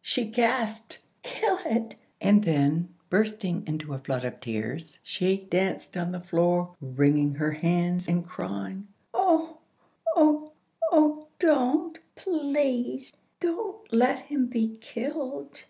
She gasped, "Kill it!" and then bursting into a flood of tears she danced on the floor, wringing her hands and crying, "Oh, oh, oh! don't, please, don't let him be killed!